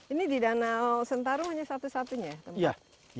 ini di danau sentarung hanya satu satunya ya teman